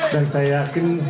dan saya yakin